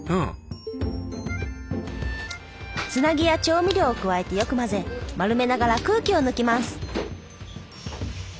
つなぎや調味料を加えてよく混ぜ丸めながら空気を抜きます。